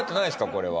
これは。